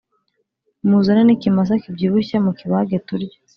muzane nikimasa kibyibushye mukibage turye